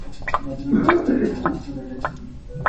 بدرنګه سترګې له حسده ډکې وي